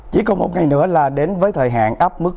chỉ còn một ngày nữa là đến với thời hạn áp mức